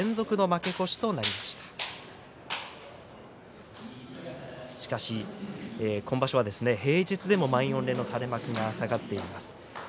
しかし、今場所は平日でも満員御礼の垂れ幕が下がっています。